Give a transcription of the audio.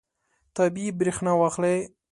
طبیعي برېښنا واخلئ.